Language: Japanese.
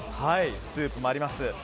スープもあります。